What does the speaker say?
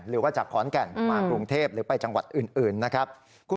หรือว่าจากขอนแก่นมากรุงเทพหรือไปจังหวัดอื่นนะครับ